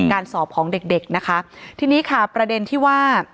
การสอบของเด็กเด็กนะคะทีนี้ค่ะประเด็นที่ว่า